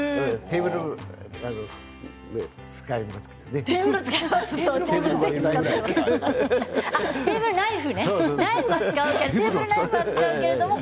テーブルは使いますけどね。